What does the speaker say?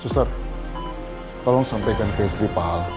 suster tolong sampaikan ke istri pak hal